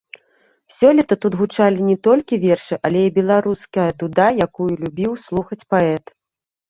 Сёлета тут гучалі не толькі вершы, але і беларуская дуда, якую любіў слухаць паэт.